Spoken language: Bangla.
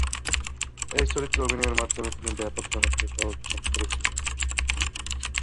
এই চরিত্রে অভিনয়ের মাধ্যমে তিনি ব্যপক জনপ্রিয়তা অর্জন করেছিলেন।